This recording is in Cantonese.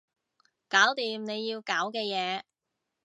搞掂你要搞嘅嘢